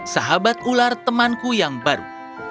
sahabat ular temanku yang baru